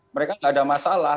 mereka tidak ada masalah